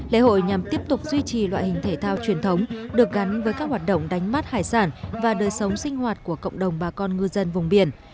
lễ hội nhằm tiếp tục duy trì loại hình thể thao truyền thống được gắn với các hoạt động đánh mắt hải sản và đời sống sinh hoạt của cộng đồng bà con ngư dân vùng biển